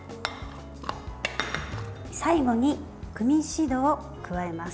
最後に、クミンシードを加えます。